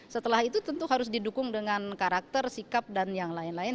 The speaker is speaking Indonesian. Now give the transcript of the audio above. setelah itu tentu harus didukung dengan karakter sikap dan yang lain lain